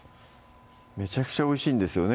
めちゃくちゃおいしいんですよね